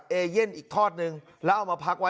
พระอยู่ที่ตะบนมไพรครับ